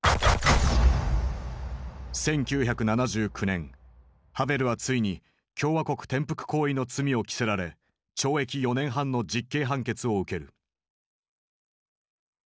１９７９年ハヴェルはついに共和国転覆行為の罪を着せられ懲役４年半の実刑判決を受ける。